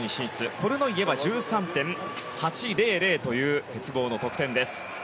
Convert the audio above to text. コルノイエは１３．８００という鉄棒の得点。